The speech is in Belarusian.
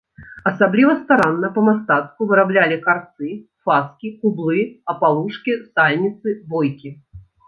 Асабліва старанна, па-мастацку выраблялі карцы, фаскі, кублы, апалушкі, сальніцы, бойкі.